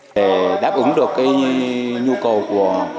để đáp ứng được cái nhu cầu của